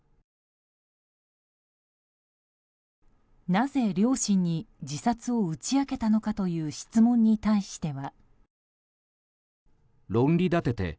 なぜ両親に自殺を打ち明けたのかという質問に対しては。